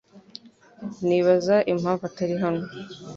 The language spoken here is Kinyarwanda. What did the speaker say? Ndibaza impamvu atari hano.